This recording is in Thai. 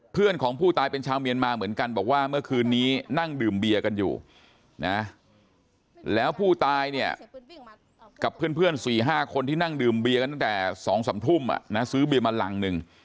เพื่อนของผู้ตายเป็นชาวเมียนมาเหมือนกันบอกว่าเมื่อคืนนี้นั่งดื่มเบียร์กันอยู่นะแล้วผู้ตายเนี่ยกับเพื่อน๔๕คนที่นั่งดื่มเบียกันตั้งแต่๒๓ทุ่มซื้อเบียร์มาหลังหนึ่ง